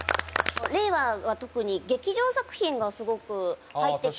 令和は特に、劇場作品がすごく入ってきてるじゃないですか。